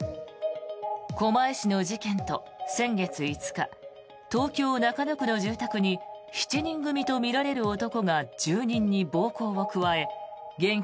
狛江市の事件と先月５日、東京・中野区の住宅に７人組とみられる男が住人に暴行を加え現金